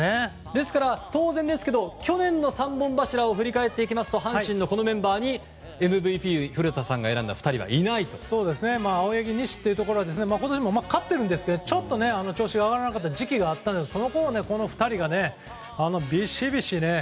ですから当然ですが去年の３本柱を振り返りますとこのメンバーにＭＶＰに古田さんが選んだ２人は青柳、西は今年も勝ってるんですけどちょっと調子が上がらなかった時期があってそのころこの２人がビシビシね。